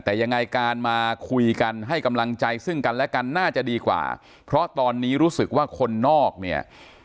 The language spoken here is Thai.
แต่ยังไงการมาคุยกันให้กำลังใจซึ่งกันและกันน่าจะดีกว่าเพราะตอนนี้รู้สึกว่าคนนอกเนี่ย